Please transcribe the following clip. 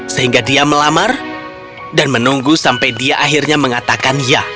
sehingga dia melamar dan menunggu sampai dia akhirnya mengatakan ya